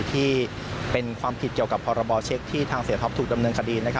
ที่เป็นความผิดเกี่ยวกับพรบเช็คที่ทางเสียท็อปถูกดำเนินคดี